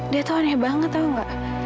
dia tau aneh banget tau gak